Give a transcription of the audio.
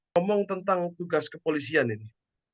ngomong tentang tugas kepolisian ini